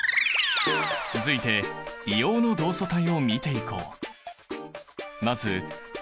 続いて硫黄の同素体を見ていこう。